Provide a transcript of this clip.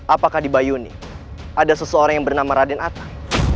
apakah di bayi ini ada seseorang yang bernama raden atang